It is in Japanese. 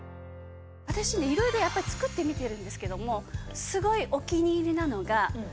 私ね色々やっぱり作ってみてるんですけどもすごいお気に入りなのが即席石焼風ビビンバ。